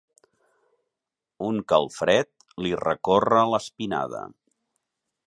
Un calfred li recorre l'espinada.